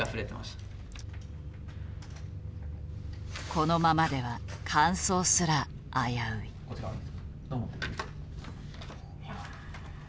このままでは完走すら危うい。